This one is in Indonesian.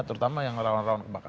terutama yang rawan rawan kebakaran